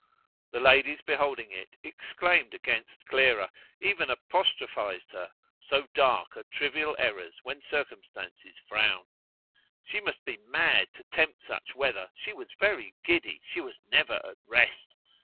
The ladies beholding it exclaimed against Clara, even apostrophized her, so dark are trivial errors when circumstances frown. She must be mad to tempt such weather: she was very giddy; she was never at rest.